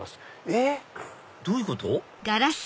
えっ？どういうこと？